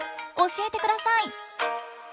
教えてください！